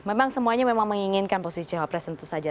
memang semuanya memang menginginkan posisi jawab presiden itu saja